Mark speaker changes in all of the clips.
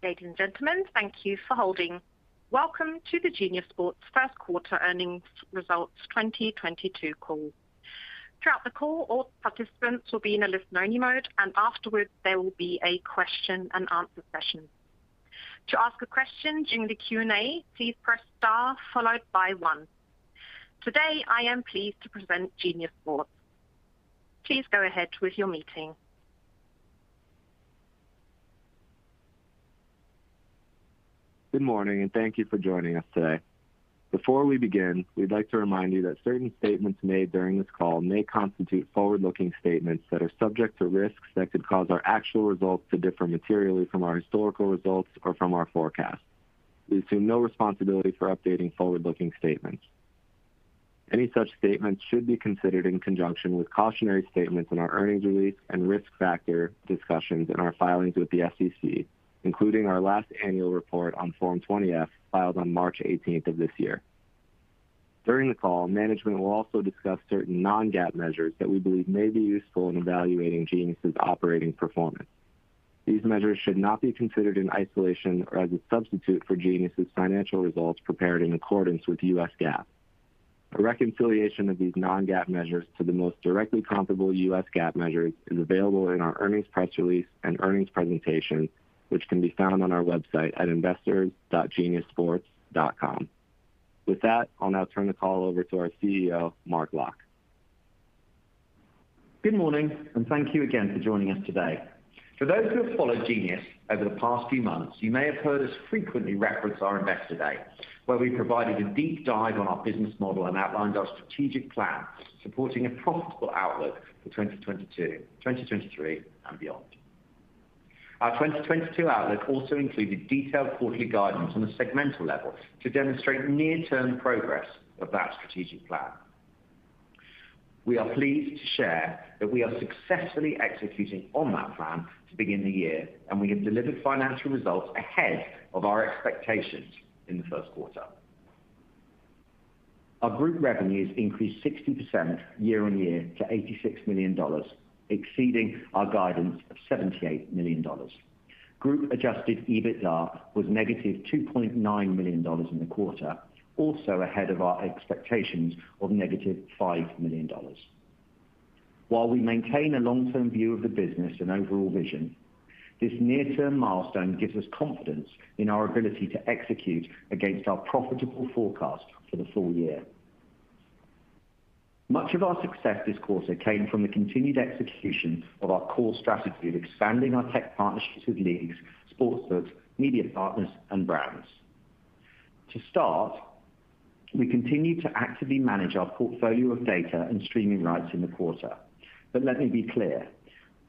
Speaker 1: Ladies and gentlemen, thank you for holding. Welcome to the Genius Sports first quarter earnings results 2022 call. Throughout the call, all participants will be in a listen only mode, and afterwards there will be a question and answer session. To ask a question during the Q&A, please press star followed by one. Today, I am pleased to present Genius Sports. Please go ahead with your meeting.
Speaker 2: Good morning, and thank you for joining us today. Before we begin, we'd like to remind you that certain statements made during this call may constitute forward-looking statements that are subject to risks that could cause our actual results to differ materially from our historical results or from our forecasts. We assume no responsibility for updating forward-looking statements. Any such statements should be considered in conjunction with cautionary statements in our earnings release and risk factor discussions in our filings with the SEC, including our last annual report on Form 20-F filed on March 18 of this year. During the call, management will also discuss certain non-GAAP measures that we believe may be useful in evaluating Genius's operating performance. These measures should not be considered in isolation or as a substitute for Genius's financial results prepared in accordance with U.S. GAAP. A reconciliation of these non-GAAP measures to the most directly comparable U.S. GAAP measures is available in our earnings press release and earnings presentation, which can be found on our website at investors.geniussports.com. With that, I'll now turn the call over to our CEO, Mark Locke.
Speaker 3: Good morning and thank you again for joining us today. For those who have followed Genius over the past few months, you may have heard us frequently reference our investor day, where we provided a deep dive on our business model and outlined our strategic plan supporting a profitable outlook for 2022-2023 and beyond. Our 2022 outlook also included detailed quarterly guidance on a segmental level to demonstrate near-term progress of that strategic plan. We are pleased to share that we are successfully executing on that plan to begin the year, and we have delivered financial results ahead of our expectations in the first quarter. Our group revenues increased 60% year-on-year to $86 million, exceeding our guidance of $78 million. Group adjusted EBITDA was -$2.9 million in the quarter, also ahead of our expectations of -$5 million. While we maintain a long-term view of the business and overall vision, this near-term milestone gives us confidence in our ability to execute against our profitable forecast for the full year. Much of our success this quarter came from the continued execution of our core strategy of expanding our tech partnerships with leagues, sportsbooks, media partners and brands. To start, we continue to actively manage our portfolio of data and streaming rights in the quarter. Let me be clear,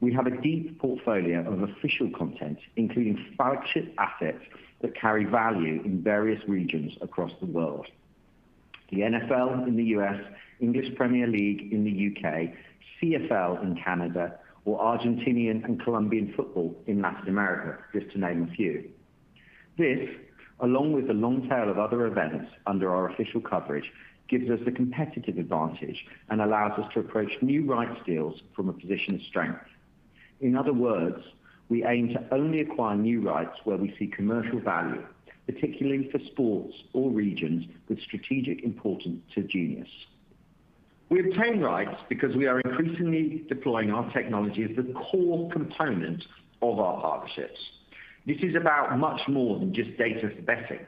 Speaker 3: we have a deep portfolio of official content, including flagship assets that carry value in various regions across the world. The NFL in the U.S., English Premier League in the U.K., CFL in Canada or Argentinian and Colombian football in Latin America, just to name a few. This, along with the long tail of other events under our official coverage, gives us a competitive advantage and allows us to approach new rights deals from a position of strength. In other words, we aim to only acquire new rights where we see commercial value, particularly for sports or regions with strategic importance to Genius. We obtain rights because we are increasingly deploying our technology as the core component of our partnerships. This is about much more than just data for betting.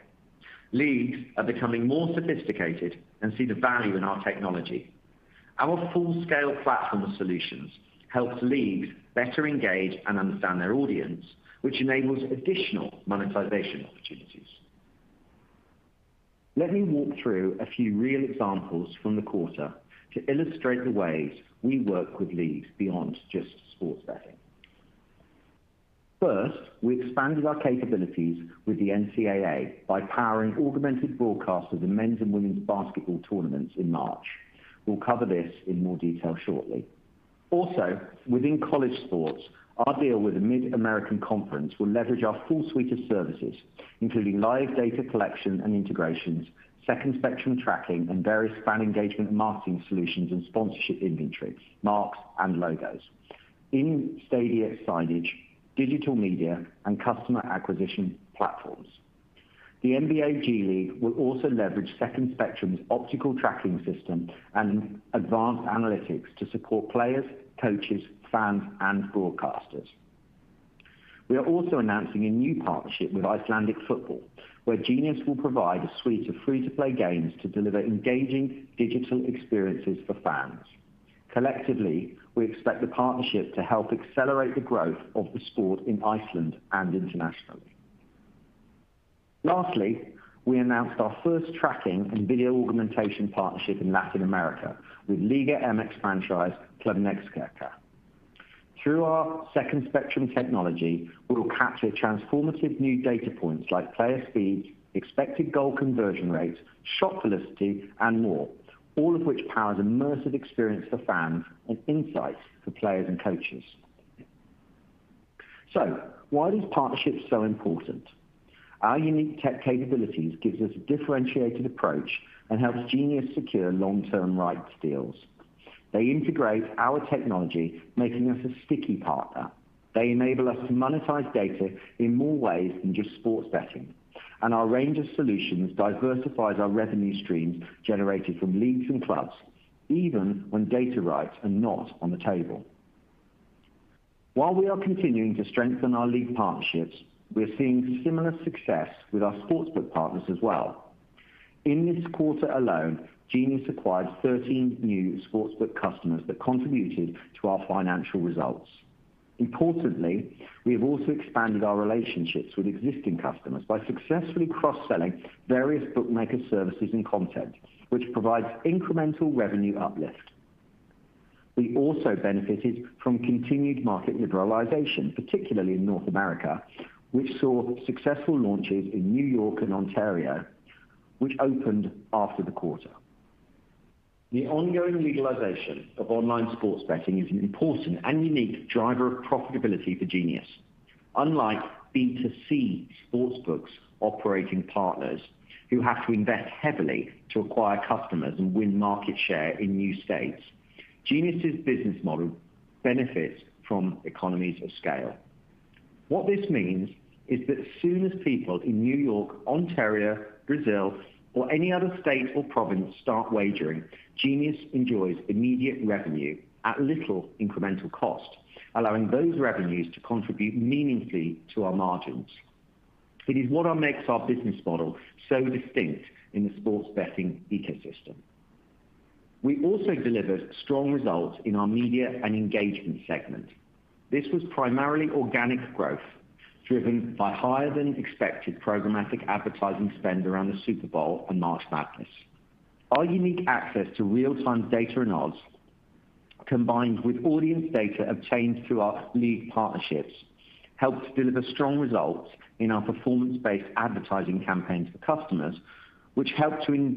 Speaker 3: Leagues are becoming more sophisticated and see the value in our technology. Our full-scale platform of solutions helps leagues better engage and understand their audience, which enables additional monetization opportunities. Let me walk through a few real examples from the quarter to illustrate the ways we work with leagues beyond just sports betting. First, we expanded our capabilities with the NCAA by powering augmented broadcasts of the men's and women's basketball tournaments in March. We'll cover this in more detail shortly. Also, within college sports, our deal with the Mid-American Conference will leverage our full suite of services, including live data collection and integrations, Second Spectrum tracking, and various fan engagement and marketing solutions and sponsorship inventory, marks and logos, in-stadium signage, digital media and customer acquisition platforms. The NBA G League will also leverage Second Spectrum's optical tracking system and advanced analytics to support players, coaches, fans and broadcasters. We are also announcing a new partnership with Football Association of Iceland, where Genius will provide a suite of free-to-play games to deliver engaging digital experiences for fans. Collectively, we expect the partnership to help accelerate the growth of the sport in Iceland and internationally. Lastly, we announced our first tracking and video augmentation partnership in Latin America with Liga MX franchise Club Necaxa. Through our Second Spectrum technology, we will capture transformative new data points like player speed, expected goal conversion rates, shot velocity and more, all of which powers immersive experience for fans and insights for players and coaches. Why are these partnerships so important? Our unique tech capabilities gives us a differentiated approach and helps Genius secure long-term rights deals. They integrate our technology, making us a sticky partner. They enable us to monetize data in more ways than just sports betting. And our range of solutions diversifies our revenue streams generated from leagues and clubs, even when data rights are not on the table. While we are continuing to strengthen our league partnerships, we're seeing similar success with our sportsbook partners as well. In this quarter alone, Genius acquired 13 new sportsbook customers that contributed to our financial results. Importantly, we have also expanded our relationships with existing customers by successfully cross-selling various bookmaker services and content, which provides incremental revenue uplift. We also benefited from continued market liberalization, particularly in North America, which saw successful launches in New York and Ontario, which opened after the quarter. The ongoing legalization of online sports betting is an important and unique driver of profitability for Genius. Unlike B2C sports books operating partners who have to invest heavily to acquire customers and win market share in new states, Genius' business model benefits from economies of scale. What this means is that as soon as people in New York, Ontario, Brazil, or any other state or province start wagering, Genius enjoys immediate revenue at little incremental cost, allowing those revenues to contribute meaningfully to our margins. It is what makes our business model so distinct in the sports betting ecosystem. We also delivered strong results in our media and engagement segment. This was primarily organic growth, driven by higher than expected programmatic advertising spend around the Super Bowl and March Madness. Our unique access to real-time data and odds, combined with audience data obtained through our league partnerships, helped deliver strong results in our performance-based advertising campaigns for customers, which helped to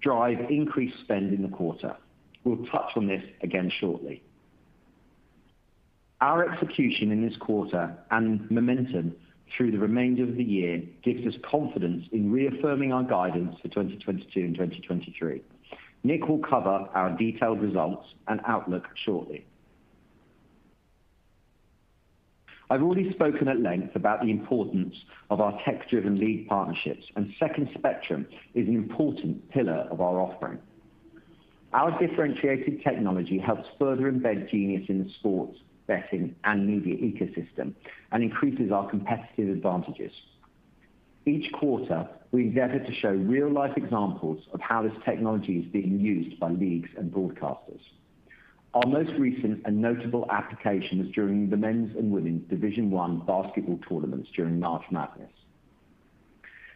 Speaker 3: drive increased spend in the quarter. We'll touch on this again shortly. Our execution in this quarter and momentum through the remainder of the year gives us confidence in reaffirming our guidance for 2022 and 2023. Nick will cover our detailed results and outlook shortly. I've already spoken at length about the importance of our tech-driven league partnerships, and Second Spectrum is an important pillar of our offering. Our differentiated technology helps further embed Genius in the sports betting and media ecosystem and increases our competitive advantages. Each quarter, we endeavor to show real-life examples of how this technology is being used by leagues and broadcasters. Our most recent and notable application is during the Men's and Women's Division One basketball tournaments during March Madness.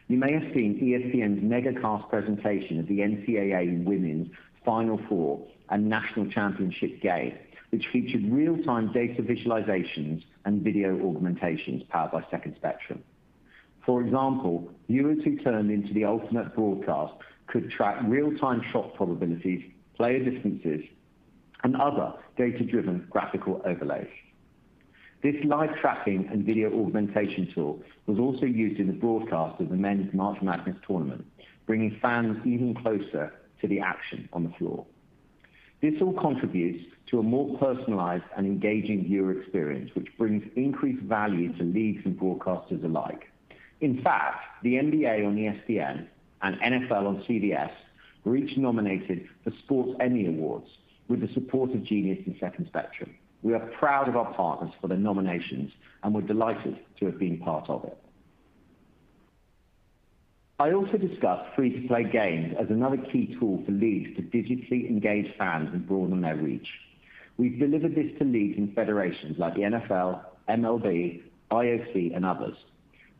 Speaker 3: You may have seen ESPN's MegaCast presentation of the NCAA Women's Final Four and National Championship game, which featured real-time data visualizations and video augmentations powered by Second Spectrum. For example, viewers who tuned into the alternate broadcast could track real-time shot probabilities, player distances, and other data-driven graphical overlays. This live tracking and video augmentation tool was also used in the broadcast of the men's March Madness tournament, bringing fans even closer to the action on the floor. This all contributes to a more personalized and engaging viewer experience, which brings increased value to leagues and broadcasters alike. In fact, the NBA on ESPN and NFL on CBS were each nominated for Sports Emmy Awards with the support of Genius and Second Spectrum. We are proud of our partners for their nominations, and we're delighted to have been part of it. I also discussed free-to-play games as another key tool for leagues to digitally engage fans and broaden their reach. We've delivered this to leagues and federations like the NFL, MLB, IOC, and others.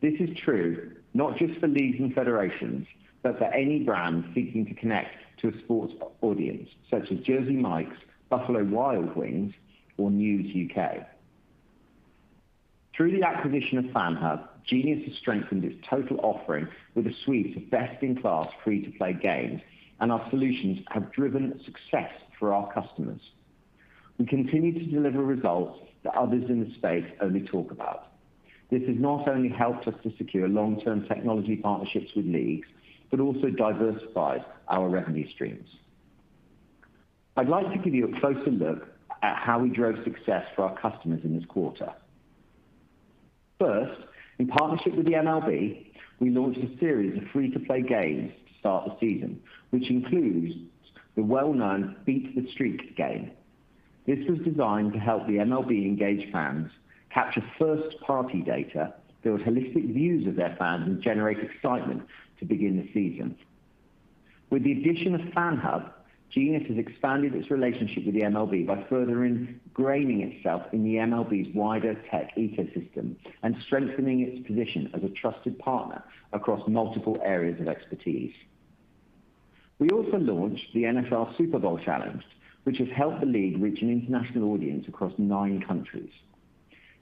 Speaker 3: This is true not just for leagues and federations, but for any brand seeking to connect to a sports audience such as Jersey Mike's, Buffalo Wild Wings, or News UK Through the acquisition of FanHub, Genius has strengthened its total offering with a suite of best-in-class free-to-play games, and our solutions have driven success for our customers. We continue to deliver results that others in the space only talk about. This has not only helped us to secure long-term technology partnerships with leagues, but also diversified our revenue streams. I'd like to give you a closer look at how we drove success for our customers in this quarter. First, in partnership with the MLB, we launched a series of free-to-play games to start the season, which includes the well-known Beat the Streak game. This was designed to help the MLB engage fans, capture first-party data, build holistic views of their fans, and generate excitement to begin the season. With the addition of FanHub, Genius has expanded its relationship with the MLB by further ingraining itself in the MLB's wider tech ecosystem and strengthening its position as a trusted partner across multiple areas of expertise. We also launched the NFL Super Bowl Challenge, which has helped the league reach an international audience across nine countries.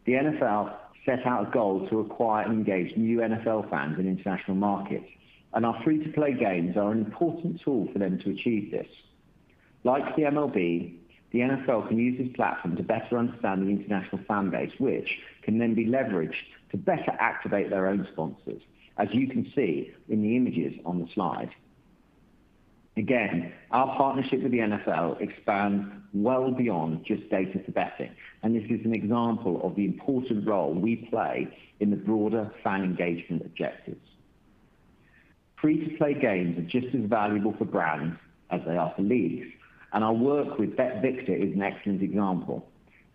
Speaker 3: The NFL set out a goal to acquire and engage new NFL fans in international markets, and our free-to-play games are an important tool for them to achieve this. Like the MLB, the NFL can use this platform to better understand the international fan base, which can then be leveraged to better activate their own sponsors, as you can see in the images on the slide. Again, our partnership with the NFL expands well beyond just data for betting, and this is an example of the important role we play in the broader fan engagement objectives. Free-to-play games are just as valuable for brands as they are for leagues, and our work with BetVictor is an excellent example.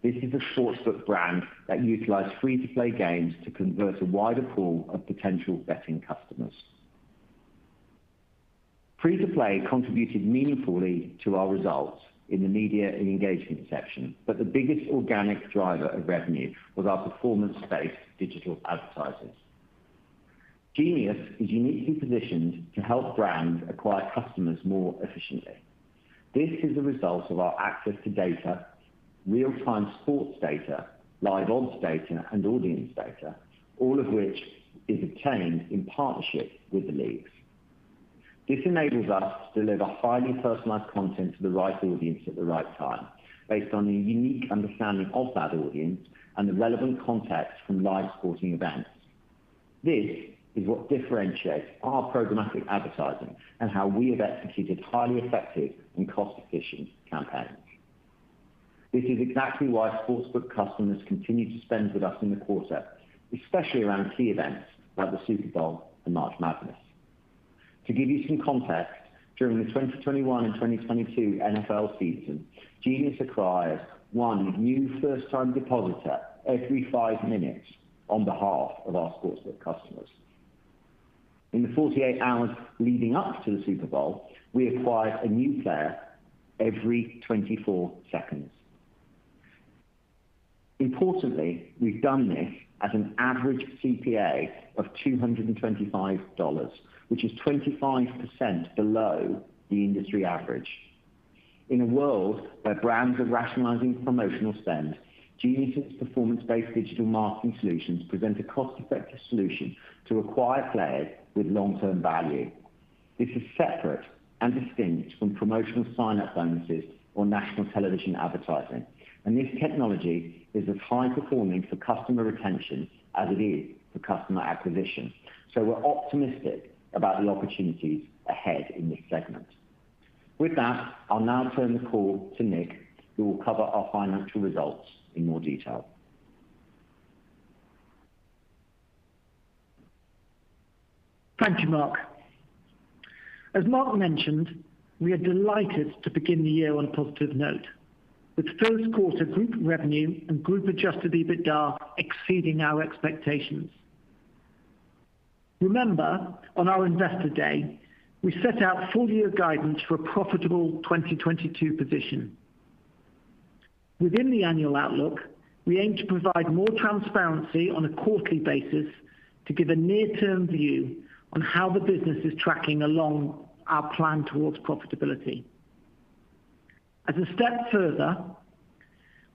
Speaker 3: This is a sportsbook brand that utilized free-to-play games to convert a wider pool of potential betting customers. Free-to-play contributed meaningfully to our results in the media and engagement section, but the biggest organic driver of revenue was our performance-based digital advertisers. Genius is uniquely positioned to help brands acquire customers more efficiently. This is the result of our access to data, real-time sports data, live odds data, and audience data, all of which is obtained in partnership with the leagues. This enables us to deliver highly personalized content to the right audience at the right time, based on a unique understanding of that audience and the relevant context from live sporting events. This is what differentiates our programmatic advertising and how we have executed highly effective and cost-efficient campaigns. This is exactly why sportsbook customers continue to spend with us in the quarter, especially around key events like the Super Bowl and March Madness. To give you some context, during the 2021 and 2022 NFL season, Genius acquired 1 new first-time depositor every five minutes on behalf of our sportsbook customers. In the 48 hours leading up to the Super Bowl, we acquired a new player every 24 seconds. Importantly, we've done this at an average CPA of $225, which is 25% below the industry average. In a world where brands are rationalizing promotional spend, Genius' performance-based digital marketing solutions present a cost-effective solution to acquire players with long-term value. This is separate and distinct from promotional sign-up bonuses or national television advertising, and this technology is as high-performing for customer retention as it is for customer acquisition. We're optimistic about the opportunities ahead in this segment. With that, I'll now turn the call to Nick, who will cover our financial results in more detail.
Speaker 4: Thank you, Mark. As Mark mentioned, we are delighted to begin the year on a positive note with first quarter group revenue and group adjusted EBITDA exceeding our expectations. Remember, on our Investor Day, we set out full-year guidance for a profitable 2022 position. Within the annual outlook, we aim to provide more transparency on a quarterly basis to give a near-term view on how the business is tracking along our plan towards profitability. As a step further,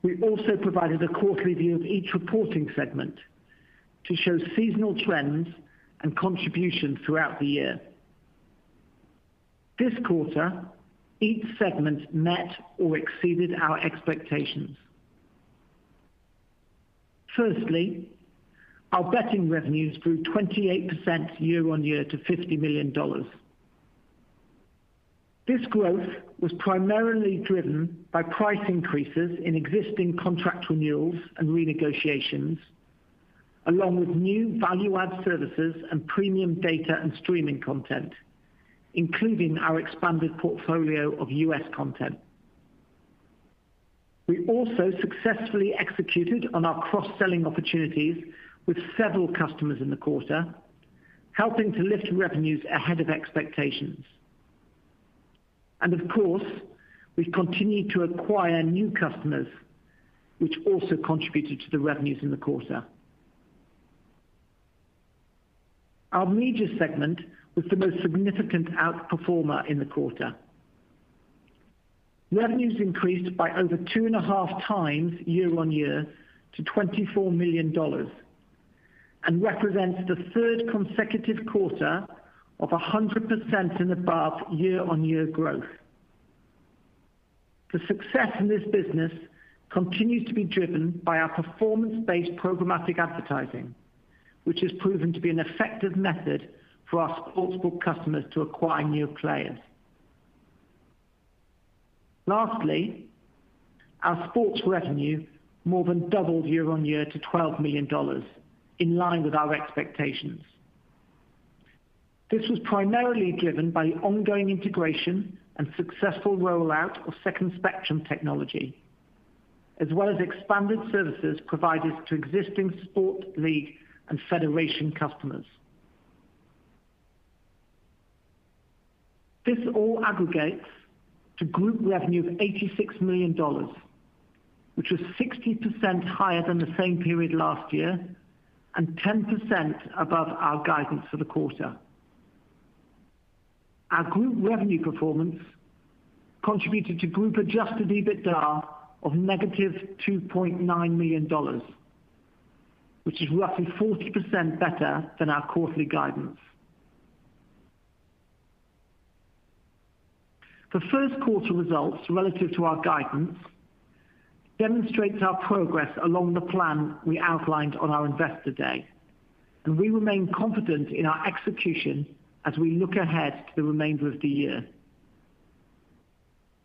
Speaker 4: we also provided a quarterly view of each reporting segment to show seasonal trends and contributions throughout the year. This quarter, each segment met or exceeded our expectations. Firstly, our betting revenues grew 28% year-on-year to $50 million. This growth was primarily driven by price increases in existing contract renewals and renegotiations, along with new value-add services and premium data and streaming content, including our expanded portfolio of U.S. content. We also successfully executed on our cross-selling opportunities with several customers in the quarter, helping to lift revenues ahead of expectations. Of course, we've continued to acquire new customers, which also contributed to the revenues in the quarter. Our media segment was the most significant outperformer in the quarter. Revenues increased by over 2.5 times year-on-year to $24 million and represents the third consecutive quarter of 100% and above year-on-year growth. The success in this business continues to be driven by our performance-based programmatic advertising, which has proven to be an effective method for our sportsbook customers to acquire new players. Lastly, our sports revenue more than doubled year-on-year to $12 million, in line with our expectations. This was primarily driven by the ongoing integration and successful rollout of Second Spectrum technology, as well as expanded services provided to existing sports league and federation customers. This all aggregates to group revenue of $86 million, which was 60% higher than the same period last year and 10% above our guidance for the quarter. Our group revenue performance contributed to group-adjusted EBITDA of -$2.9 million, which is roughly 40% better than our quarterly guidance. The first quarter results relative to our guidance demonstrates our progress along the plan we outlined on our investor day, and we remain confident in our execution as we look ahead to the remainder of the year.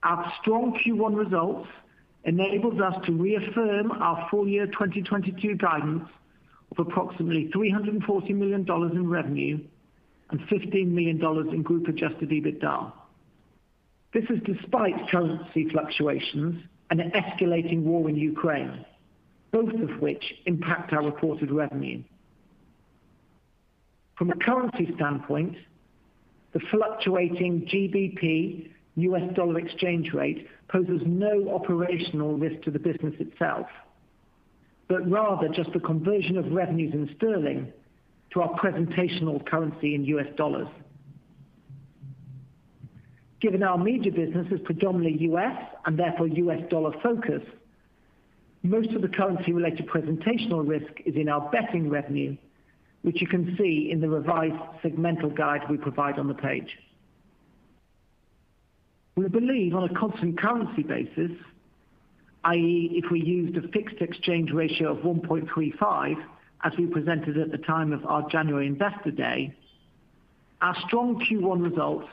Speaker 4: Our strong Q1 results enables us to reaffirm our full-year 2022 guidance of approximately $340 million in revenue and $15 million in group-adjusted EBITDA. This is despite currency fluctuations and an escalating war in Ukraine, both of which impact our reported revenue. From a currency standpoint, the fluctuating GBP U.S. dollar exchange rate poses no operational risk to the business itself, but rather just the conversion of revenues in sterling to our presentational currency in U.S. dollars. Given our media business is predominantly U.S. and therefore U.S. dollar-focused, most of the currency-related presentational risk is in our betting revenue, which you can see in the revised segmental guide we provide on the page. We believe on a constant currency basis, i.e., if we used a fixed exchange ratio of 1.35 as we presented at the time of our January investor day, our strong Q1 results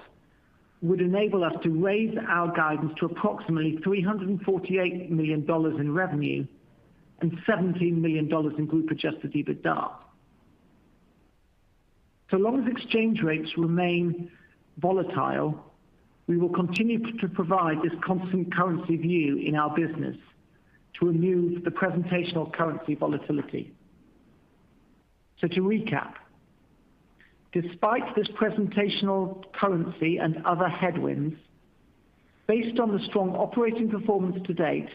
Speaker 4: would enable us to raise our guidance to approximately $348 million in revenue and $17 million in group-adjusted EBITDA. So long as exchange rates remain volatile, we will continue to provide this constant currency view in our business to remove the presentational currency volatility. To recap, despite this presentational currency and other headwinds, based on the strong operating performance to date,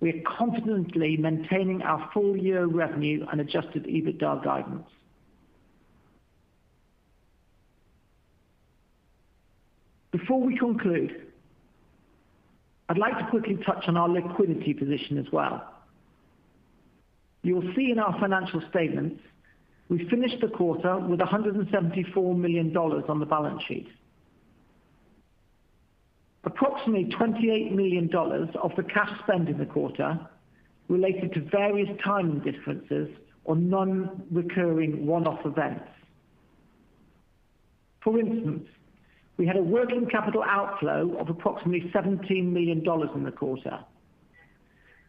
Speaker 4: we are confidently maintaining our full-year revenue and adjusted EBITDA guidance. Before we conclude, I'd like to quickly touch on our liquidity position as well. You'll see in our financial statements we finished the quarter with $174 million on the balance sheet. Approximately $28 million of the cash spend in the quarter related to various timing differences or non-recurring one-off events. For instance, we had a working capital outflow of approximately $17 million in the quarter.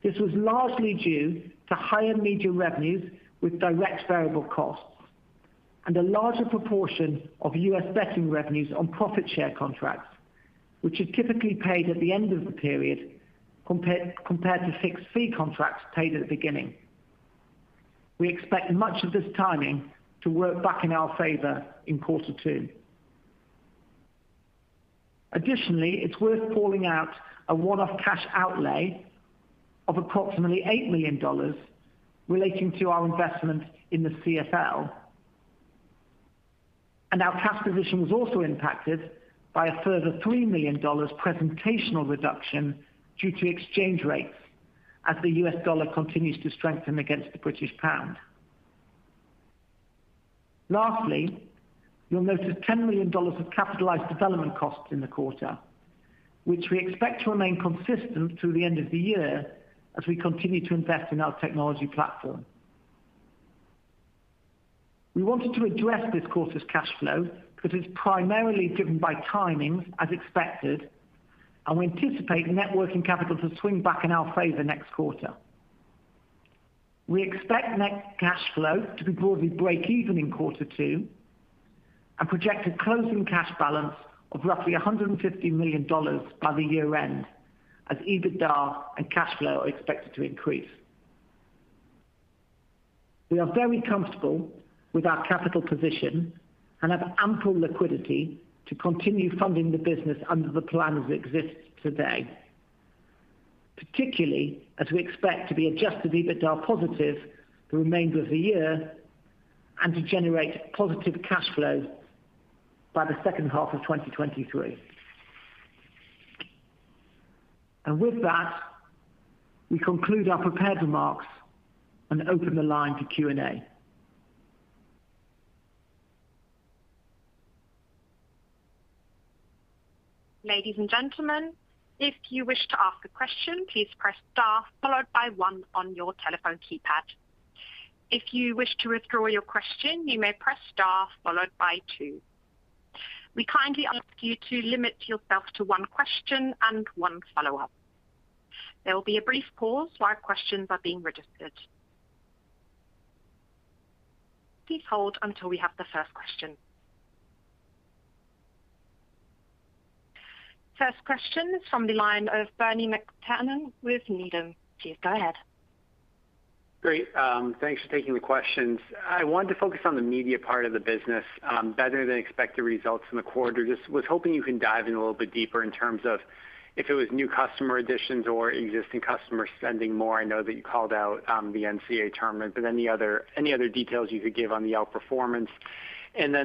Speaker 4: This was largely due to higher media revenues with direct variable costs and a larger proportion of U.S. betting revenues on profit share contracts, which is typically paid at the end of the period compared to fixed fee contracts paid at the beginning. We expect much of this timing to work back in our favor in quarter two. Additionally, it's worth calling out a one-off cash outlay of approximately $8 million relating to our investment in the CFL. Our cash position was also impacted by a further $3 million presentational reduction due to exchange rates as the U.S. dollar continues to strengthen against the British pound. Lastly, you'll notice $10 million of capitalized development costs in the quarter, which we expect to remain consistent through the end of the year as we continue to invest in our technology platform. We wanted to address this quarter's cash flow because it's primarily driven by timings, as expected, and we anticipate net working capital to swing back in our favor next quarter. We expect net cash flow to be broadly breakeven in quarter two and project a closing cash balance of roughly $150 million by the year-end as EBITDA and cash flow are expected to increase. We are very comfortable with our capital position and have ample liquidity to continue funding the business under the plan as it exists today, particularly as we expect to be adjusted EBITDA positive the remainder of the year and to generate positive cash flow by the second half of 2023. With that, we conclude our prepared remarks and open the line to Q&A.
Speaker 1: Ladies and gentlemen, if you wish to ask a question, please press star followed by one on your telephone keypad. If you wish to withdraw your question, you may press star followed by two. We kindly ask you to limit yourself to one question and one follow-up. There will be a brief pause while questions are being registered. Please hold until we have the first question. First question is from the line of Bernie McTernan with Needham. Please go ahead.
Speaker 5: Great. Thanks for taking the questions. I wanted to focus on the media part of the business, better than expected results in the quarter. I was just hoping you can dive in a little bit deeper in terms of if it was new customer additions or existing customers spending more. I know that you called out the NCAA tournament, but any other details you could give on the outperformance.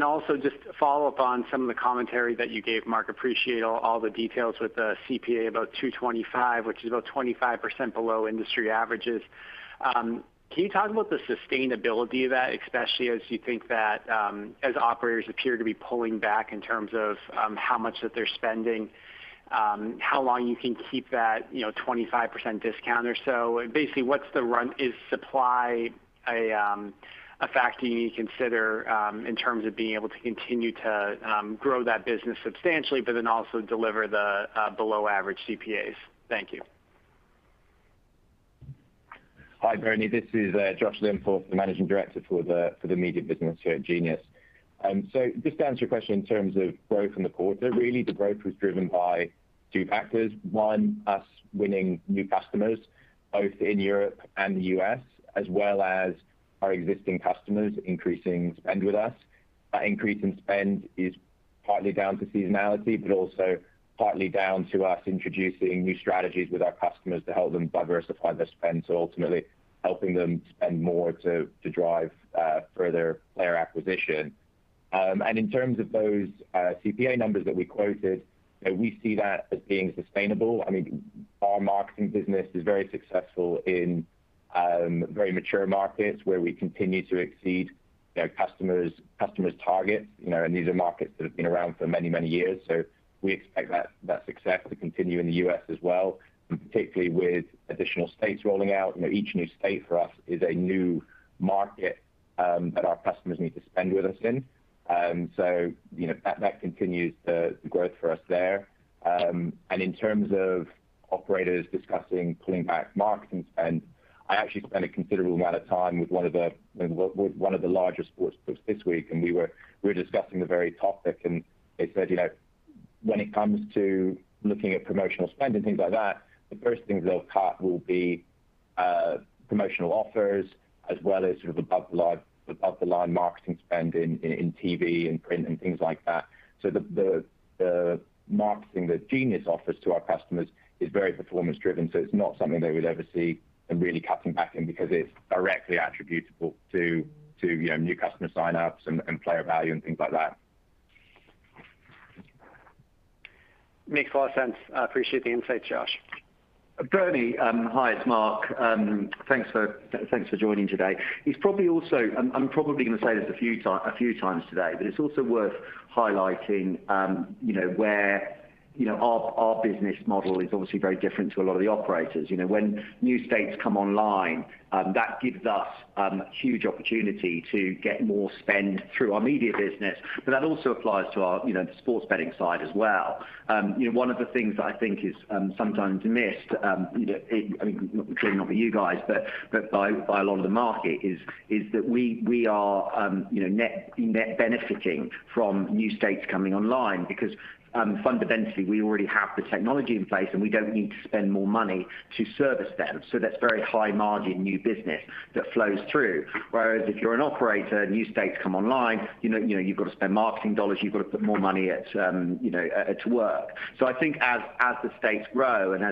Speaker 5: Also just to follow up on some of the commentary that you gave, Mark. I appreciate all the details with the CPA about $225, which is about 25% below industry averages. Can you talk about the sustainability of that, especially as you think that, as operators appear to be pulling back in terms of, how much that they're spending, how long you can keep that, you know, 25% discount or so. Basically, what's the run? Is supply a factor you need to consider, in terms of being able to continue to, grow that business substantially but then also deliver the below-average CPAs? Thank you.
Speaker 6: Hi, Bernie. This is Josh Linforth, Managing Director for the Media business here at Genius. Just to answer your question in terms of growth in the quarter, really the growth was driven by two factors. One, us winning new customers both in Europe and the U.S., as well as our existing customers increasing spend with us. That increase in spend is partly down to seasonality, but also partly down to us introducing new strategies with our customers to help them diversify their spend, so ultimately helping them spend more to drive further player acquisition. In terms of those CPA numbers that we quoted, you know, we see that as being sustainable. I mean, our marketing business is very successful in very mature markets where we continue to exceed their customers' targets, you know, and these are markets that have been around for many, many years. We expect that success to continue in the U.S. as well, and particularly with additional states rolling out. You know, each new state for us is a new market that our customers need to spend with us in. You know, that continues the growth for us there. In terms of operators discussing pulling back marketing spend, I actually spent a considerable amount of time with one of the larger sportsbooks this week, and we were discussing the very topic. They said, you know, when it comes to looking at promotional spend and things like that, the first things they'll cut will be promotional offers as well as sort of above the line marketing spend in TV and print and things like that. The marketing that Genius offers to our customers is very performance driven, so it's not something they would ever see them really cutting back in because it's directly attributable to, you know, new customer sign-ups and player value and things like that.
Speaker 5: Makes a lot of sense. I appreciate the insight, Josh.
Speaker 3: Bernie, hi, it's Mark. Thanks for joining today. It's probably also. I'm probably gonna say this a few times today, but it's also worth highlighting, you know, where our business model is obviously very different to a lot of the operators. You know, when new states come online, that gives us huge opportunity to get more spend through our media business, but that also applies to our, you know, the sports betting side as well. You know, one of the things that I think is sometimes missed, you know, I mean, clearly not with you guys, but by a lot of the market is that we are, you know, net benefiting from new states coming online because fundamentally, we already have the technology in place, and we don't need to spend more money to service them. That's very high margin new business that flows through. Whereas if you're an operator, new states come online, you know, you've got to spend marketing dollars, you've got to put more money at, you know, at work. I think as the states grow and,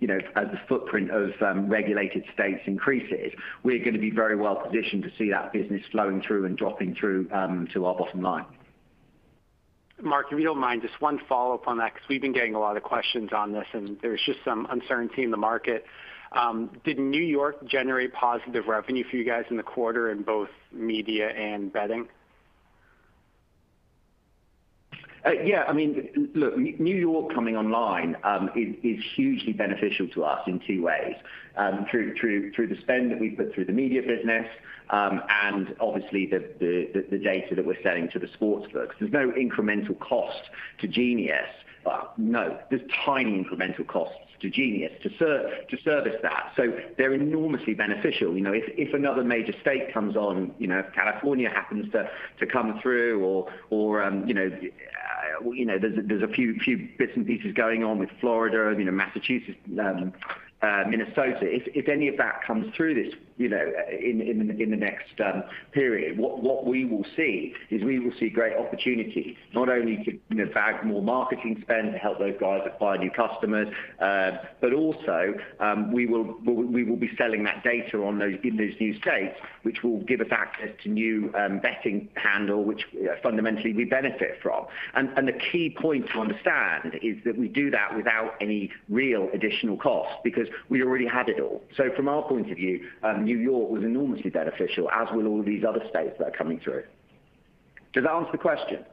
Speaker 3: you know, as the footprint of regulated states increases, we're gonna be very well positioned to see that business flowing through and dropping through to our bottom line.
Speaker 5: Mark, if you don't mind, just one follow-up on that because we've been getting a lot of questions on this, and there's just some uncertainty in the market. Did New York generate positive revenue for you guys in the quarter in both media and betting?
Speaker 3: Yeah. I mean, look, New York coming online is hugely beneficial to us in two ways. Through the spend that we put through the media business and obviously the data that we're selling to the sportsbooks. There's no incremental cost to Genius. There's tiny incremental costs to Genius to service that. So they're enormously beneficial. You know, if another major state comes on, you know, if California happens to come through or you know, there's a few bits and pieces going on with Florida, you know, Massachusetts, Minnesota. If any of that comes through this, you know, in the next period, what we will see is we will see great opportunities not only to, you know, bag more marketing spend to help those guys acquire new customers, but also, we will be selling that data in those new states, which will give us access to new betting handle, which fundamentally we benefit from. The key point to understand is that we do that without any real additional cost because we already had it all. From our point of view, New York was enormously beneficial, as will all these other states that are coming through. Does that answer the question?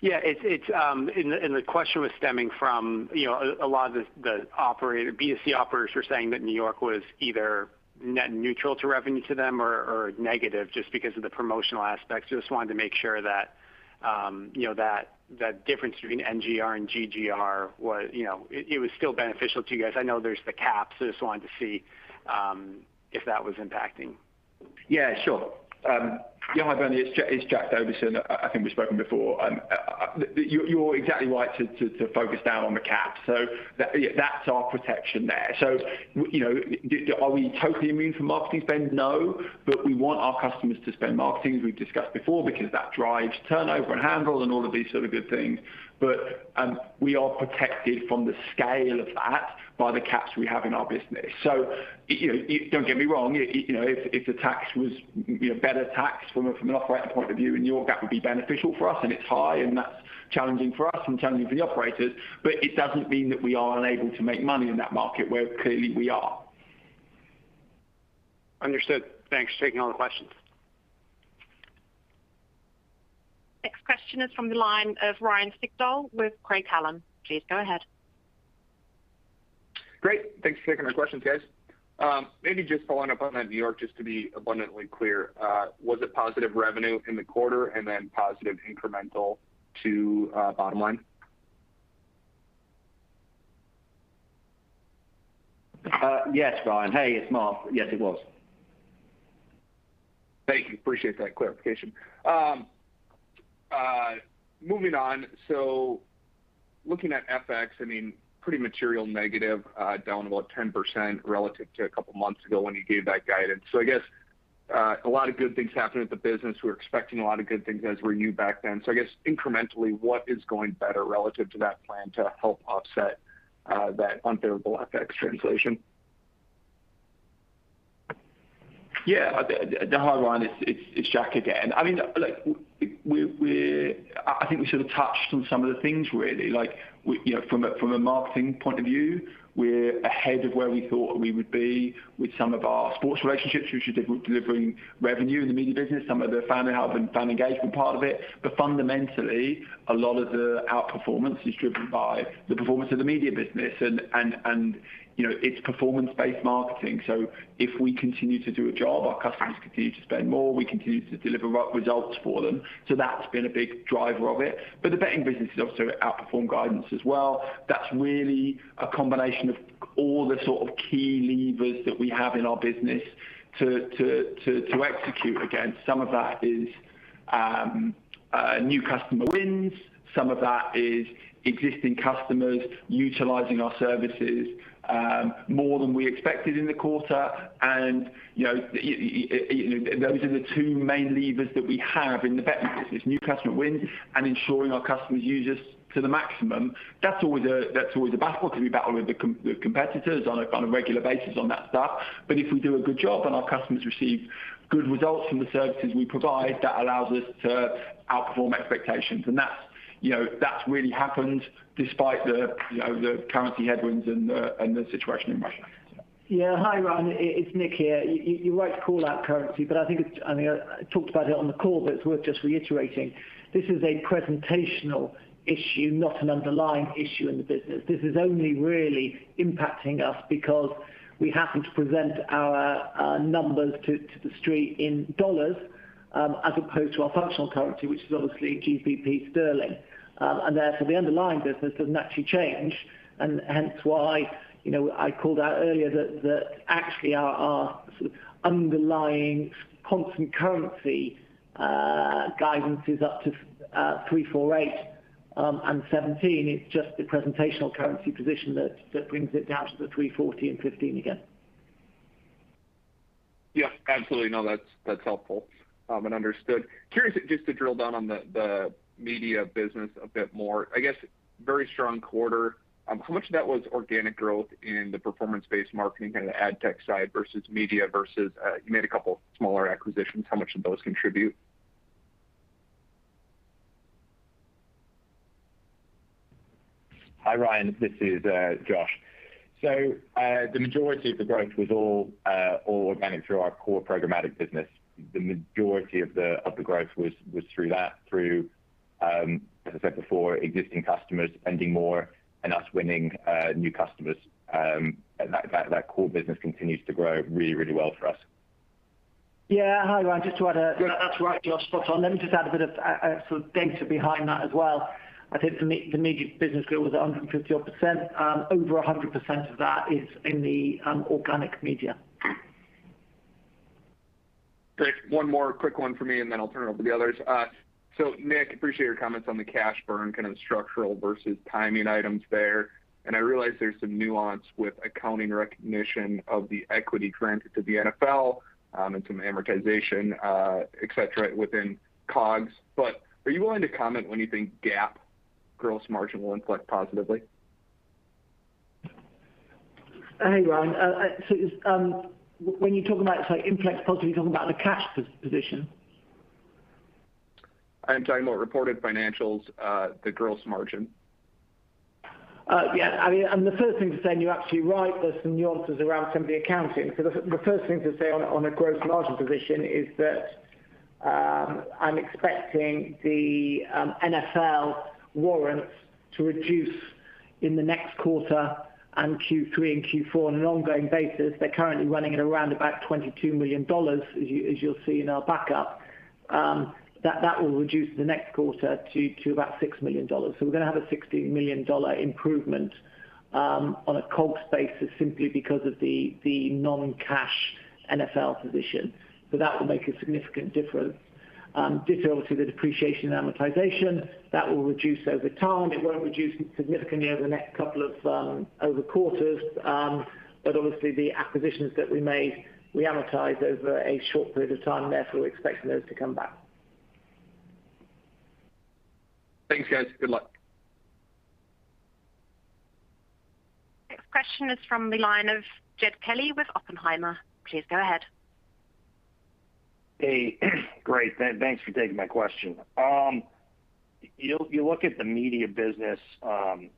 Speaker 5: Yeah. It's the question stemming from, you know, a lot of the B2C operators were saying that New York was either net neutral to revenue to them or negative just because of the promotional aspects. Just wanted to make sure that, you know, that difference between NGR and GGR was, you know, it was still beneficial to you guys. I know there's the caps, so just wanted to see if that was impacting.
Speaker 7: Yeah, sure. Yeah, hi Bernie, it's Jack Davison. I think we've spoken before. You're exactly right to focus down on the cap. That's our protection there. You know, are we totally immune from marketing spend? No. We want our customers to spend marketing, as we've discussed before, because that drives turnover and handle and all of these sort of good things. We are protected from the scale of that by the caps we have in our business. You know, don't get me wrong, you know, if the tax was, you know, better taxed from an operator point of view in New York, that would be beneficial for us, and it's high, and that's challenging for us and challenging for the operators. It doesn't mean that we are unable to make money in that market where clearly we are.
Speaker 5: Understood. Thanks for taking all the questions.
Speaker 1: Next question is from the line of Ryan Sigdahl with Craig-Hallum. Please go ahead.
Speaker 8: Great. Thanks for taking our questions, guys. Maybe just following up on that New York, just to be abundantly clear, was it positive revenue in the quarter and then positive incremental to bottom line?
Speaker 3: Yes, Ryan. Hey, it's Mark. Yes, it was.
Speaker 8: Thank you. Appreciate that clarification. Moving on, looking at FX, I mean, pretty materially negative, down about 10% relative to a couple months ago when you gave that guidance. I guess a lot of good things happening at the business. We're expecting a lot of good things as we knew back then. I guess incrementally, what is going better relative to that plan to help offset that unfavorable FX translation?
Speaker 7: Yeah. It's Jack again. I mean, like I think we sort of touched on some of the things. You know, from a marketing point of view, we're ahead of where we thought we would be with some of our sports relationships, which are delivering revenue in the media business and some of the betting and fan engagement part of it. Fundamentally, a lot of the outperformance is driven by the performance of the media business and, you know, it's performance-based marketing. If we continue to do our job, our customers continue to spend more, we continue to deliver results for them. That's been a big driver of it. The betting business has also outperformed guidance as well. That's really a combination of all the sort of key levers that we have in our business to execute against. Some of that is new customer wins, some of that is existing customers utilizing our services more than we expected in the quarter. You know, those are the two main levers that we have in the betting business, new customer wins and ensuring our customers use us to the maximum. That's always a battle because we battle with the competitors on a regular basis on that stuff. But if we do a good job and our customers receive good results from the services we provide, that allows us to outperform expectations. That's, you know, really happened despite the currency headwinds and the situation in Russia.
Speaker 4: Yeah. Hi, Ryan. It's Nick here. You're right to call out currency, but I think it's. I mean, I talked about it on the call, but it's worth just reiterating. This is a presentational issue, not an underlying issue in the business. This is only really impacting us because we happen to present our numbers to the street in dollars, as opposed to our functional currency, which is obviously GBP sterling. And therefore, the underlying business doesn't actually change and hence why, you know, I called out earlier that actually our underlying constant currency guidance is up to $348 and $17. It's just the presentational currency position that brings it down to the $340 and $15 again.
Speaker 8: Yeah, absolutely. No, that's helpful and understood. Curious just to drill down on the media business a bit more. I guess very strong quarter. How much of that was organic growth in the performance-based marketing, kind of the ad tech side versus media versus you made a couple smaller acquisitions, how much did those contribute?
Speaker 6: Hi, Ryan. This is, Josh. The majority of the growth was all organic through our core programmatic business. The majority of the growth was through that, as I said before, existing customers spending more and us winning new customers. That core business continues to grow really well for us.
Speaker 4: Yeah. Hi, Ryan. Just to add,
Speaker 7: Yeah, that's right, Josh. Spot on.
Speaker 4: Let me just add a bit of sort of data behind that as well. I think the media business growth was 150-odd%. Over a hundred percent of that is in the organic media.
Speaker 8: Great. One more quick one for me, and then I'll turn it over to the others. Nick, appreciate your comments on the cash burn, kind of structural versus timing items there. I realize there's some nuance with accounting recognition of the equity granted to the NFL, and some amortization, et cetera, within COGS. Are you willing to comment when you think GAAP gross margin will inflect positively?
Speaker 4: Hey, Ryan. When you're talking about, sorry, impact positively, you're talking about the cash position?
Speaker 8: I am talking about reported financials, the gross margin.
Speaker 4: Yeah. I mean, the first thing to say, and you're actually right, there's some nuances around some of the accounting. The first thing to say on a gross margin position is that, I'm expecting the NFL warrants to reduce in the next quarter and Q3 and Q4 on an ongoing basis. They're currently running at around about $22 million, as you'll see in our backup. That will reduce the next quarter to about $6 million. We're gonna have a $16 million improvement on a COGS basis simply because of the non-cash NFL position. That will make a significant difference. Differently to the depreciation and amortization, that will reduce over time. It won't reduce significantly over the next couple of quarters. Obviously the acquisitions that we made, we amortize over a short period of time, and therefore, we're expecting those to come back.
Speaker 8: Thanks guys. Good luck.
Speaker 1: Next question is from the line of Jed Kelly with Oppenheimer. Please go ahead.
Speaker 9: Hey, great. Thanks for taking my question. You look at the media business, it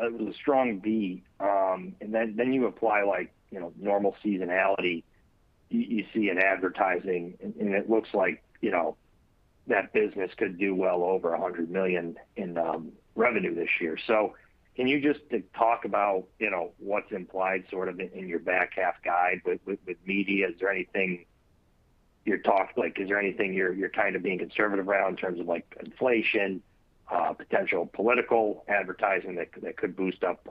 Speaker 9: was a strong beat, and then you apply like, you know, normal seasonality you see in advertising and it looks like, you know, that business could do well over $100 million in revenue this year. Can you just talk about, you know, what's implied sort of in your back half guide with media? Is there anything you're kind of being conservative around in terms of like inflation, potential political advertising that could boost up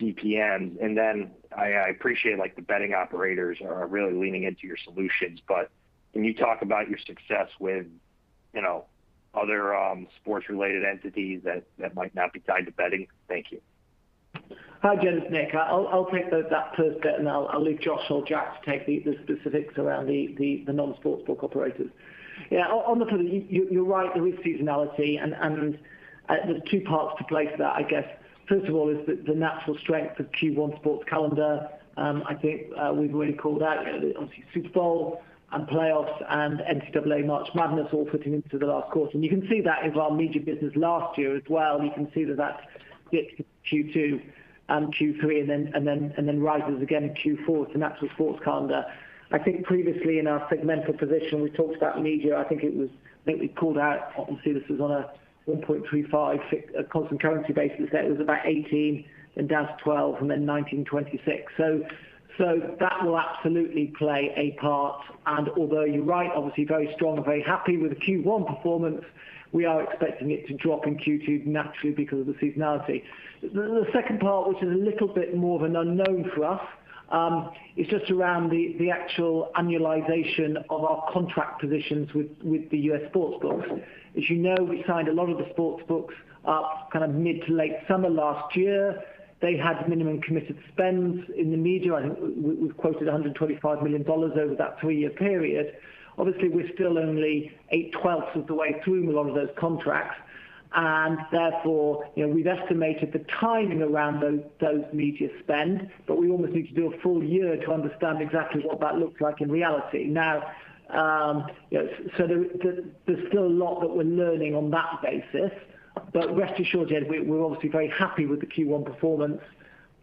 Speaker 9: CPMs? I appreciate like the betting operators are really leaning into your solutions, but can you talk about your success with, you know, other sports related entities that might not be tied to betting? Thank you.
Speaker 4: Hi Jed. It's Nick. I'll take that first bit and I'll leave Josh or Jack to take the specifics around the non-sportsbook operators. Yeah. On the whole you're right, there is seasonality and there's two parts to that, I guess. First of all is the natural strength of Q1 sports calendar. I think we've already called out obviously Super Bowl and playoffs and NCAA March Madness all fitting into the last quarter. You can see that in our media business last year as well. You can see that that dipped Q2 and Q3 and then rises again in Q4. It's a natural sports calendar. I think previously in our segmental position, we talked about media. I think we called out, obviously this was on a 1.35 constant currency basis, that it was about 18%, then down to 12% and then 19%-26%. That will absolutely play a part. Although you're right, obviously very strong, very happy with the Q1 performance, we are expecting it to drop in Q2 naturally because of the seasonality. The second part, which is a little bit more of an unknown for us, is just around the actual annualization of our contract positions with the U.S. sportsbooks. As you know, we signed a lot of the sportsbooks up kind of mid to late summer last year. They had minimum committed spends in the media. I think we've quoted $125 million over that three-year period. Obviously, we're still only eight twelfths of the way through a lot of those contracts and therefore, you know, we've estimated the timing around those media spend, but we almost need to do a full year to understand exactly what that looks like in reality. Now, you know, so there's still a lot that we're learning on that basis, but rest assured, Jed, we're obviously very happy with the Q1 performance.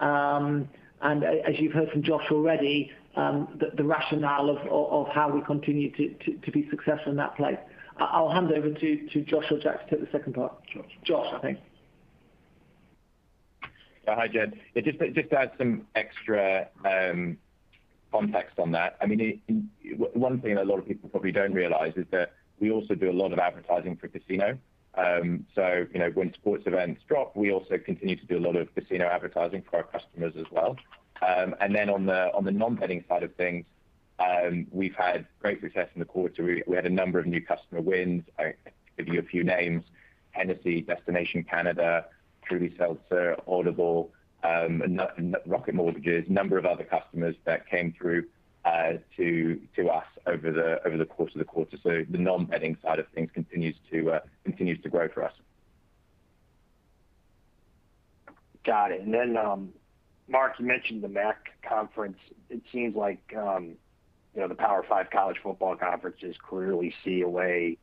Speaker 4: As you've heard from Josh already, the rationale of how we continue to be successful in that place. I'll hand over to Josh or Jack to take the second part.
Speaker 3: Josh.
Speaker 7: Josh, I think.
Speaker 6: Hi Jed. Just to add some extra context on that. I mean, one thing a lot of people probably don't realize is that we also do a lot of advertising for casino. You know, when sports events drop, we also continue to do a lot of casino advertising for our customers as well. On the non-betting side of things, we've had great success in the quarter. We had a number of new customer wins. I can give you a few names, Hennessy, Destination Canada, Truly Hard Seltzer, Audible, and Rocket Mortgage, a number of other customers that came through to us over the course of the quarter. The non-betting side of things continues to grow for us.
Speaker 9: Got it. Mark, you mentioned the MAC conference. It seems like, you know, the Power Five college football conferences clearly see a way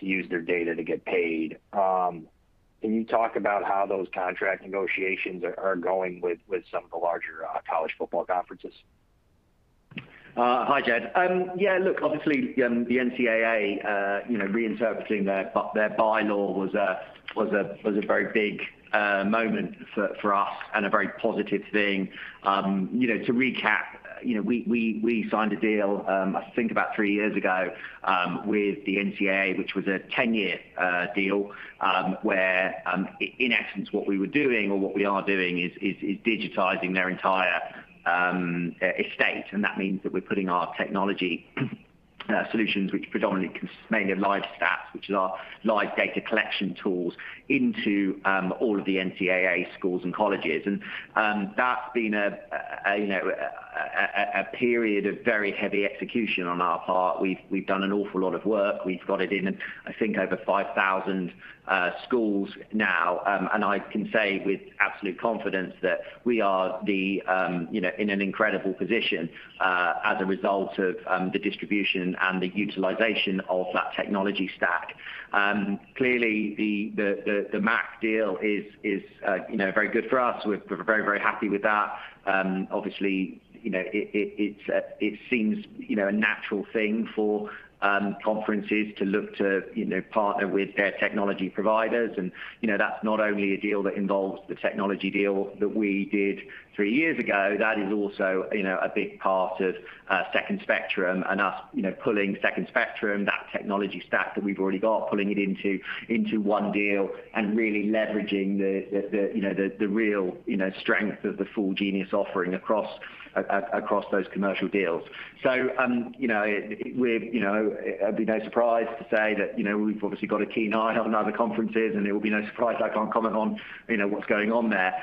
Speaker 9: to use their data to get paid. Can you talk about how those contract negotiations are going with some of the larger college football conferences?
Speaker 3: Hi, Jed. Yeah, look, obviously, the NCAA, you know, reinterpreting their bylaw was a very big moment for us and a very positive thing. You know, to recap, you know, we signed a deal, I think about three years ago, with the NCAA, which was a 10-year deal, where, in essence what we were doing or what we are doing is digitizing their entire estate. That means that we're putting our technology solutions which predominantly mainly live stats, which is our live data collection tools into all of the NCAA schools and colleges. That's been a period of very heavy execution on our part. We've done an awful lot of work. We've got it in, I think, over 5,000 schools now. I can say with absolute confidence that we are, you know, in an incredible position as a result of the distribution and the utilization of that technology stack. Clearly the MAC deal is, you know, very good for us. We're very happy with that. Obviously, you know, it's a natural thing for conferences to look to, you know, partner with their technology providers and, you know, that's not only a deal that involves the technology deal that we did three years ago, that is also, you know, a big part of Second Spectrum and us, you know, pulling Second Spectrum, that technology stack that we've already got, pulling it into one deal and really leveraging the real, you know, strength of the full Genius offering across those commercial deals. It'd be no surprise to say that, you know, we've obviously got a keen eye on other conferences, and it will be no surprise I can't comment on, you know, what's going on there.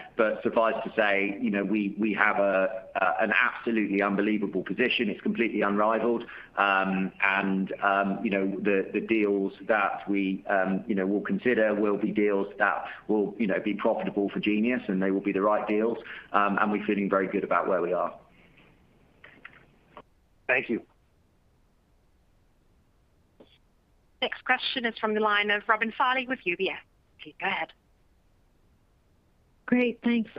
Speaker 3: Suffice to say, you know, we have an absolutely unbelievable position. It's completely unrivaled. You know, the deals that we you know will consider will be deals that will you know be profitable for Genius and they will be the right deals. We're feeling very good about where we are.
Speaker 9: Thank you.
Speaker 1: Question is from the line of Robin Farley with UBS. Please go ahead.
Speaker 10: Great, thanks.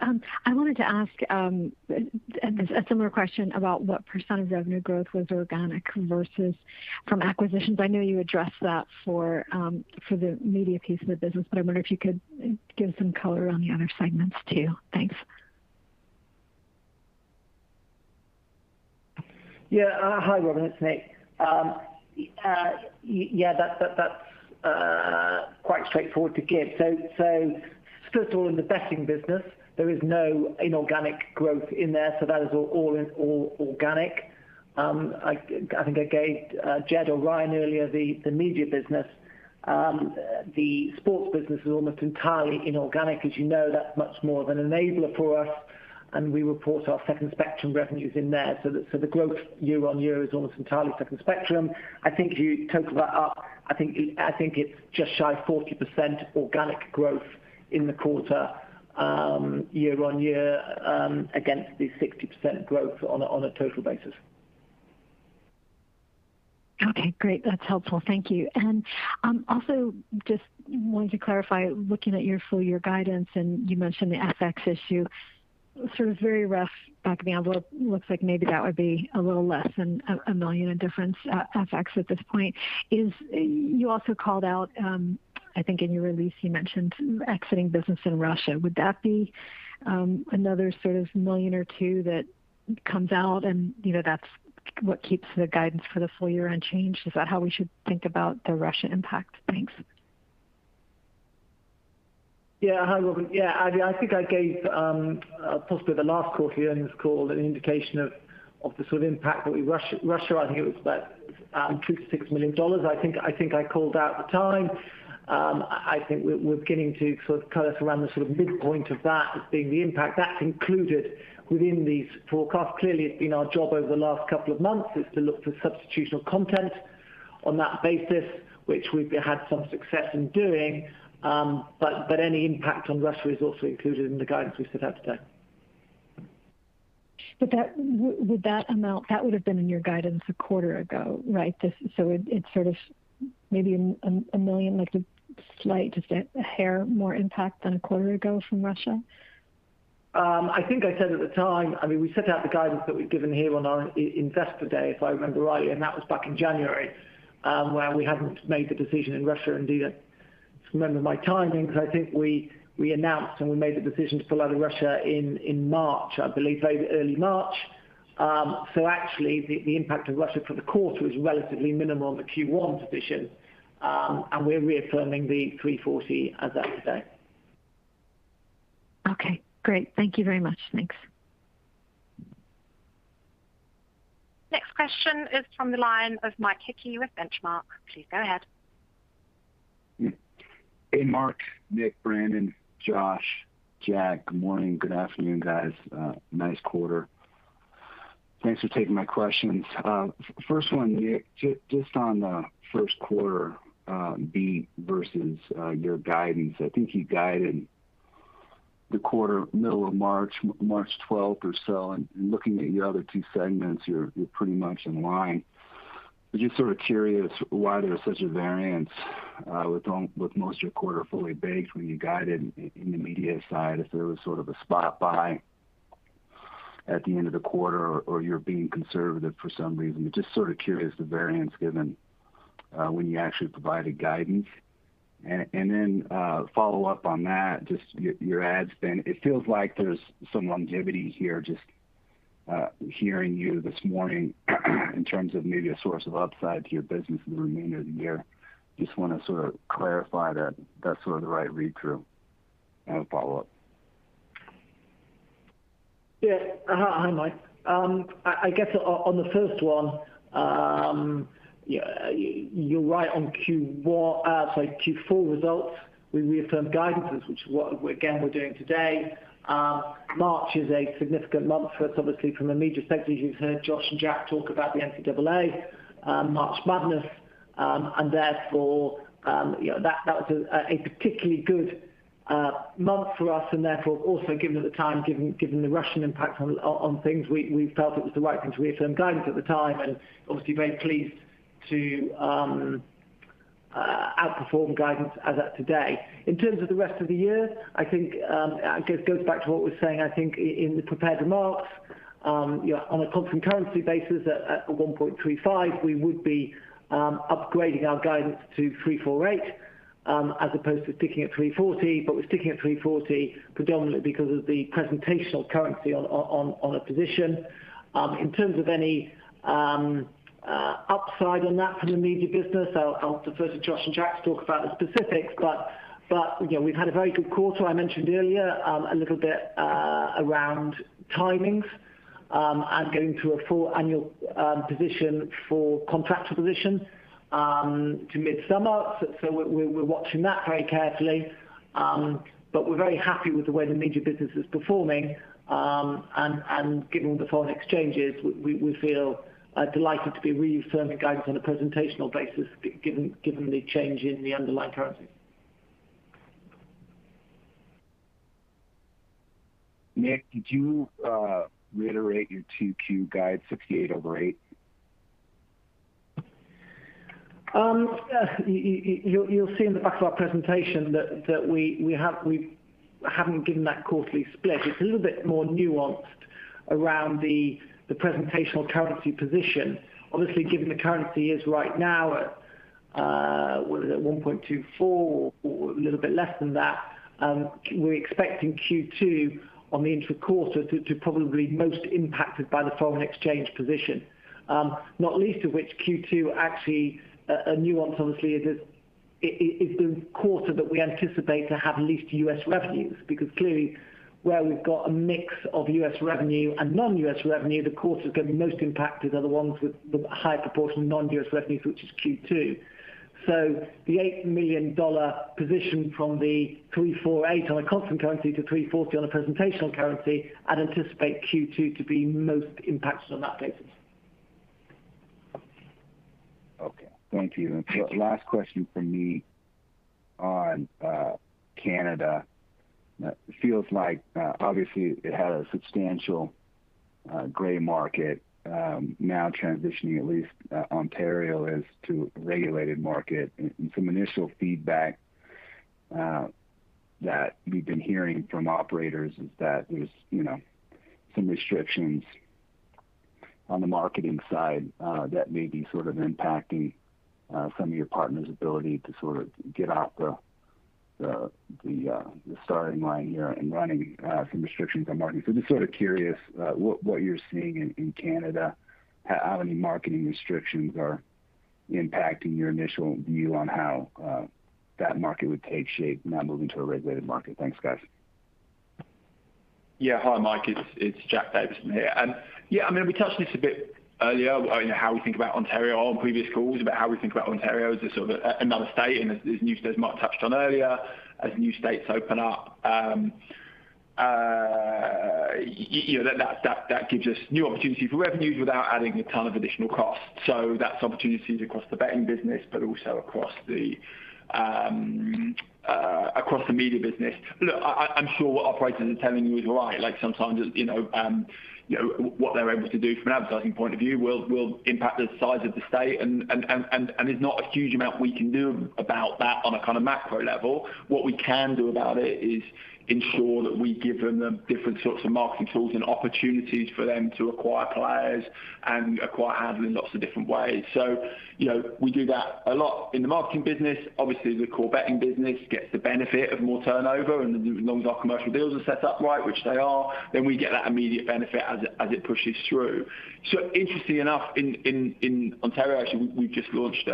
Speaker 10: I wanted to ask a similar question about what % of revenue growth was organic versus from acquisitions. I know you addressed that for the media piece of the business, but I wonder if you could give some color on the other segments too. Thanks.
Speaker 4: Hi, Robin. It's Nick. That's quite straightforward to give. First of all, in the betting business, there is no inorganic growth in there, so that is all organic. I think I gave Jed or Ryan earlier the media business. The sports business is almost entirely inorganic. As you know, that's much more of an enabler for us, and we report our Second Spectrum revenues in there. The growth year-on-year is almost entirely Second Spectrum. I think if you total that up, it's just shy of 40% organic growth in the quarter, year-on-year, against the 60% growth on a total basis.
Speaker 10: Okay, great. That's helpful. Thank you. Also just wanted to clarify, looking at your full-year guidance, and you mentioned the FX issue, sort of very rough back-of-the-envelope, looks like maybe that would be a little less than $1 million in difference, FX at this point. You also called out, I think in your release you mentioned exiting business in Russia. Would that be another sort of $1 million or $2 million that comes out and, you know, that's what keeps the guidance for the full year unchanged? Is that how we should think about the Russia impact? Thanks.
Speaker 4: Yeah. Hi, Robin. Yeah, I think I gave possibly the last quarterly earnings call an indication of the sort of impact Russia. I think it was about $2 million-$6 million. I think I called out at the time. I think we're getting to sort of coalesce around the sort of midpoint of that as being the impact. That's included within these forecasts. Clearly, it's been our job over the last couple of months is to look for substitutional content on that basis, which we've had some success in doing, but any impact on Russia is also included in the guidance we set out today.
Speaker 10: That would've been in your guidance a quarter ago, right? It's sort of maybe $1 million, like a slight, just a hair more impact than a quarter ago from Russia?
Speaker 4: I think I said at the time, I mean, we set out the guidance that we've given here on our Investor Day, if I remember rightly, and that was back in January, where we hadn't made the decision in Russia indeed. I just remember my timing because I think we announced and we made the decision to pull out of Russia in March, I believe, very early March. Actually the impact of Russia for the quarter is relatively minimal on the Q1 position, and we're reaffirming the $340 as at today.
Speaker 10: Okay, great. Thank you very much. Thanks.
Speaker 1: Next question is from the line of Mike Hickey with Benchmark. Please go ahead.
Speaker 11: Hey, Mark, Nick, Brandon, Josh, Jack. Good morning, good afternoon, guys. Nice quarter. Thanks for taking my questions. First one, Nick, just on the first quarter, beat versus your guidance. I think you guided the quarter middle of March twelfth or so, and looking at your other two segments, you're pretty much in line. Just sort of curious why there's such a variance with most of your quarter fully baked when you guided in the media side, if there was sort of a spot buy at the end of the quarter or you're being conservative for some reason. Just sort of curious the variance given when you actually provided guidance. Then, follow-up on that, just your ad spend. It feels like there's some longevity here, just hearing you this morning in terms of maybe a source of upside to your business for the remainder of the year. Just wanna sort of clarify that that's sort of the right read through. I have a follow-up.
Speaker 4: Yeah. Hi, Mike. I guess on the first one, yeah, you're right on Q4 results, we reaffirmed guidances, which is what we're doing today. March is a significant month for us, obviously from a media sector, as you've heard Josh and Jack talk about the NCAA, March Madness, and therefore, you know, that was a particularly good month for us and therefore also given at the time, given the Russian impact on things, we felt it was the right thing to reaffirm guidance at the time, and obviously very pleased to outperform guidance as at today. In terms of the rest of the year, I think, I guess goes back to what we were saying, I think in the prepared remarks, you know, on a constant currency basis at 1.35, we would be upgrading our guidance to $348, as opposed to sticking at $340. But we're sticking at $340 predominantly because of the presentational currency on a position. In terms of any upside on that for the media business, I'll defer to Josh and Jack to talk about the specifics, but you know, we've had a very good quarter. I mentioned earlier a little bit around timings and going through a full annual position for contractual position to mid-summer. So we're watching that very carefully. We're very happy with the way the media business is performing, and given the foreign exchanges, we feel delighted to be reaffirming guidance on a presentational basis given the change in the underlying currency.
Speaker 11: Nick, could you reiterate your 2Q guide 68 over 8?
Speaker 4: Yeah, you'll see in the back of our presentation that we haven't given that quarterly split. It's a little bit more nuanced around the presentation currency position. Obviously, given the currency is right now at what is it, 1.24 or a little bit less than that, we're expecting Q2 on the intra-quarter to probably be most impacted by the foreign exchange position. Not least of which Q2 actually a nuance obviously is it is the quarter that we anticipate to have least U.S. revenues because clearly where we've got a mix of U.S. revenue and non-U.S. revenue, the quarters going to be most impacted are the ones with the higher proportion of non-U.S. revenues, which is Q2. The $8 million position from the 348 on a constant currency to 340 on a presentation currency, I'd anticipate Q2 to be most impacted on that basis.
Speaker 11: Okay. Thank you.
Speaker 4: Thank you.
Speaker 11: Last question from me on Canada. Feels like obviously it had a substantial gray market, now transitioning, at least Ontario, to a regulated market. Some initial feedback that we've been hearing from operators is that there's, you know, some restrictions on the marketing side that may be sort of impacting some of your partners' ability to sort of get off the starting line here and running. Just sort of curious what you're seeing in Canada, how many marketing restrictions are impacting your initial view on how that market would take shape now moving to a regulated market. Thanks, guys.
Speaker 7: Yeah. Hi, Mike. It's Jack Davison from here. Yeah, I mean, we touched on this a bit earlier, you know, how we think about Ontario on previous calls, about how we think about Ontario as a sort of another state. As Mark touched on earlier, as new states open up, you know, that gives us new opportunity for revenues without adding a ton of additional costs. That's opportunities across the betting business but also across the media business. Look, I'm sure what operators are telling you is right. Like sometimes, you know, what they're able to do from an advertising point of view will impact the size of the state and there's not a huge amount we can do about that on a kind of macro level. What we can do about it is ensure that we've given them different sorts of marketing tools and opportunities for them to acquire players and acquire handle in lots of different ways. You know, we do that a lot in the marketing business. Obviously, the core betting business gets the benefit of more turnover and as long as our commercial deals are set up right, which they are, then we get that immediate benefit as it pushes through. Interestingly enough, in Ontario, actually we've just launched.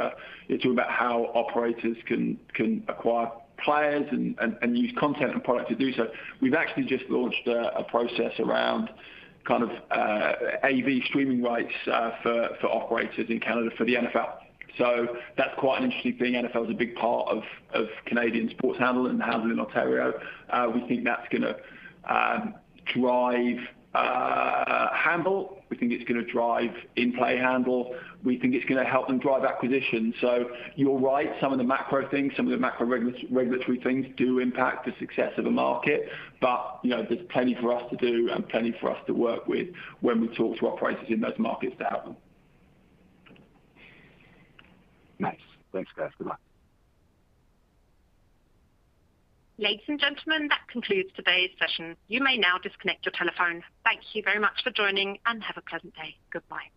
Speaker 7: It's all about how operators can acquire players and use content and product to do so. We've actually just launched a process around kind of AV streaming rights for operators in Canada for the NFL. That's quite an interesting thing. NFL is a big part of Canadian sports handle and handle in Ontario. We think that's gonna drive handle. We think it's gonna drive in-play handle. We think it's gonna help them drive acquisition. You're right, some of the macro things, some of the macro regulatory things do impact the success of a market. You know, there's plenty for us to do and plenty for us to work with when we talk to operators in those markets to help them.
Speaker 11: Nice. Thanks, guys. Goodbye.
Speaker 1: Ladies and gentlemen, that concludes today's session. You may now disconnect your telephone. Thank you very much for joining, and have a pleasant day. Goodbye.